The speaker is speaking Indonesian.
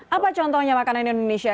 apa contohnya makanan indonesia